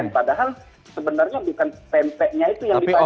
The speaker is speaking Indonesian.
padahal sebenarnya bukan tempeknya itu yang dikenakan